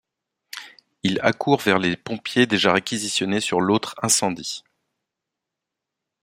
Il accourt vers les pompiers déjà réquisitionnés sur l'autre incendie.